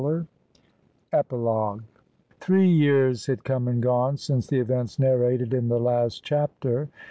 EPILOGUE Three years had come and gone since the events narrated in the last chapter.